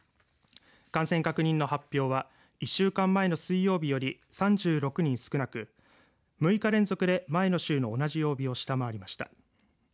感染確認の発表は１週間前の水曜日より３６人少なく６日連続で前の週の同じ曜日を下回りました。